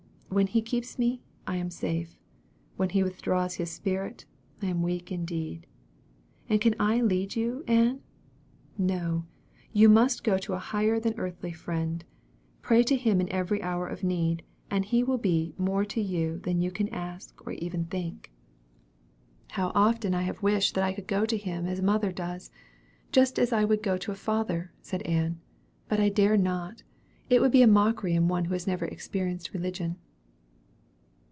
When He keeps me, I am safe; when He withdraws His spirit, I am weak indeed. And can I lead you, Ann? No! you must go to a higher than earthly friend. Pray to Him in every hour of need, and He will be 'more to you than you can ask, or even think.'" "How often I have wished that I could go to Him as mother does just as I would go to a father!" said Ann. "But I dare not. It would be mockery in one who has never experienced religion."